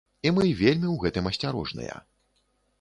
І мы вельмі ў гэтым асцярожныя.